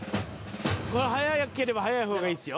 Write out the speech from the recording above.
［これ早ければ早い方がいいですよ］